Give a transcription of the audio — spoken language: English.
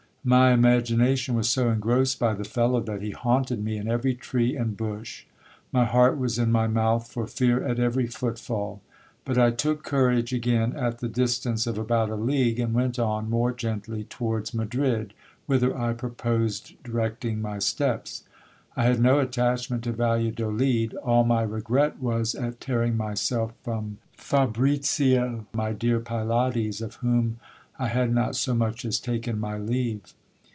My imagination was so engrossed by the fellow, that he haunted me in every tree and bush ; my heart was in my mouth for fear at every foot falL But I took courage again at the distance of about a league, and went on more gently towards Madrid, whither I proposed directing my steps. I had no attachment to Valladolid. All my regret was at tearing myself from Fabricio, my dear Pylades, of whom I had not so much as taken my leave.